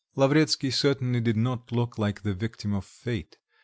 Lavretsky certainly did not look like the victim of fate.